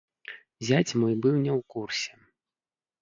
Зяць мой быў не ў курсе.